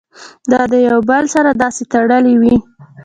دا د يو بل سره داسې تړلي وي